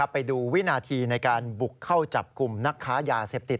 ไปดูวินาทีในการบุกเข้าจับกลุ่มนักค้ายาเสพติด